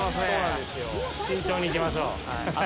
慎重に行きましょう。